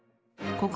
ここ。